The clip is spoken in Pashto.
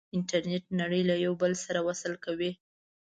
انټرنیټ نړۍ له یو بل سره وصل کوي.